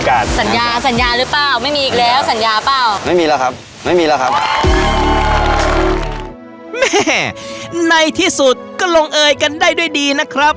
ขอบคุณครับที่แบบมาขายเพื่อกันอะไรอย่างนี้ครับ